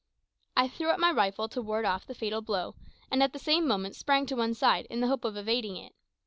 I threw up my rifle to ward off the fatal blow, and at the same moment sprang to one side, in the hope of evading it.